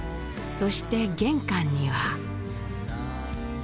そして玄関には。